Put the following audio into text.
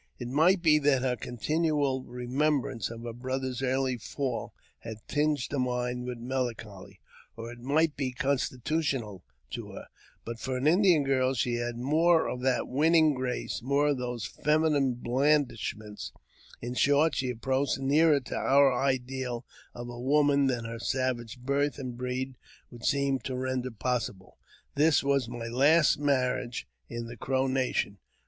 It might be that her continual remem brance of her brother's early fall had tinged her mind with melancholy, or it might be constitutional to her ; but for an Indian girl she had more of that winning grace, more of those feminine blandishments — in short, she approached nearer to our ideal of a woman than her savage birth and breed would seem to render possible. This was my last marriage in the Crow nation.